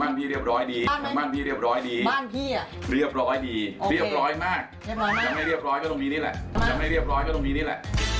บ้านพี่เรียบร้อยดีบ้านพี่เรียบร้อยดีเรียบร้อยดีเรียบร้อยมากถ้าไม่เรียบร้อยก็ต้องมีนี่แหละถ้าไม่เรียบร้อยก็ต้องมีนี่แหละ